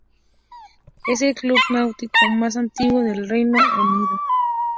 Es el club náutico más antiguo del Reino Unido.